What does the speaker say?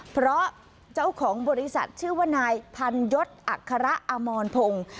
เพราะเจ้าของบริษัทชื่อว่านายพันยศอัคระอมรพงศ์